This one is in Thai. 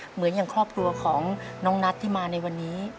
เหมือนอย่างครอบครัวของน้องนัทที่มาในวันนี้